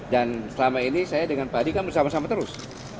dan selama ini saya dengan pak hadi kan bersama sama terus